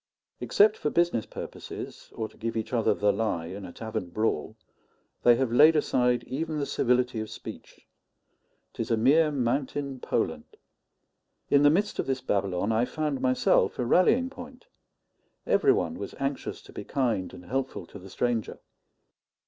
Except for business purposes, or to give each other the lie in a tavern brawl, they have laid aside even the civility of speech. 'Tis a mere mountain Poland. In the midst of this Babylon I found myself a rallying point; every one was anxious to be kind and helpful to the stranger.